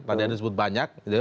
tadi anda sebut banyak